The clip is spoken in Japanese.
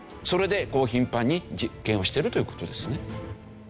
それでこう頻繁に実験をしてるという事ですね。